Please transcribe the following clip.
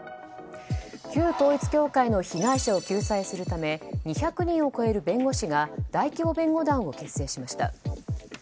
旧統一教会の被害者を救済するため２００人を超える弁護士が大規模弁護団を結成しました。